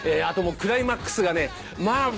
あともうクライマックスがね